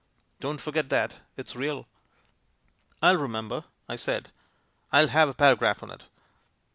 Don't forget that. It's real." "I'll remember," I said. "I'll have a para graph on it."